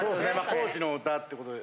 高知の歌ってことで。